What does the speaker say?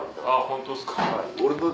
ホントですか。